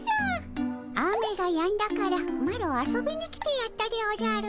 雨がやんだからマロ遊びに来てやったでおじゃる。